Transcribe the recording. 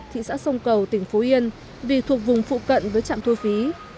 thị xã sông cầu tỉnh phú yên vì thuộc vùng phụ cận với trạm thu phí